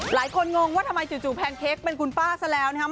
งงว่าทำไมจู่แพนเค้กเป็นคุณป้าซะแล้วนะครับ